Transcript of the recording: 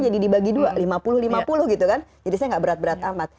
saya ada lima puluh lima puluh kan jadi saya nggak berat berat amat